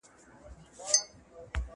هغه څوک چي لوبه کوي خوشاله وي!!